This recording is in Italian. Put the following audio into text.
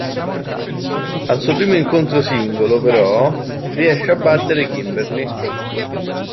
Al suo primo incontro singolo, però, riesce a battere Kimberly.